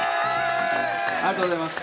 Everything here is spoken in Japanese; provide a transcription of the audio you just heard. ありがとうございます。